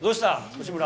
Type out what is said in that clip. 吉村。